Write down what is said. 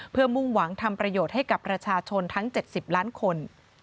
เพื่อมุ่งหวังทำประโยชน์ให้กับประชาชนทั้ง๗๐ล้านคน